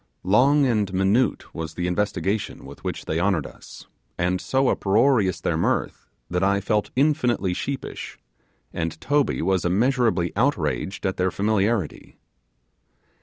Long and minute was the investigation with which they honoured us, and so uproarious their mirth, that I felt infinitely sheepish; and Toby was immeasurably outraged at their familiarity.